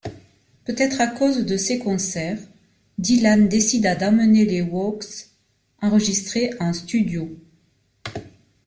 Peut-être à cause de ces concerts, Dylan décida d'emmener les Hawks enregistrer en studio.